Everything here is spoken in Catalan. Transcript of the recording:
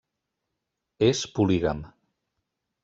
És polígam.